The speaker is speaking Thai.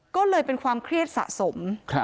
ก็เลยเป็นความเครียดสะสม